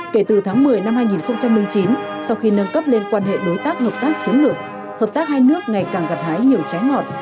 kể từ tháng một mươi năm hai nghìn chín sau khi nâng cấp lên quan hệ đối tác hợp tác chiến lược hợp tác hai nước ngày càng gặt hái nhiều trái ngọt